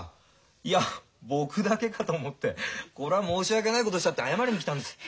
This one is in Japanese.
いや僕だけかと思ってこら申し訳ないことをしたって謝りに来たんです。